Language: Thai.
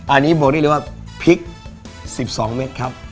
อันนี้บอกได้เลยว่าพริก๑๒เมตรครับ